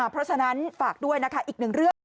เพราะฉะนั้นฝากด้วยนะคะอีกหนึ่งเรื่อง